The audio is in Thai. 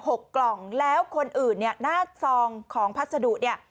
กล่องแล้วคนอื่นเนี่ยหน้าซองของพัสดุเนี่ย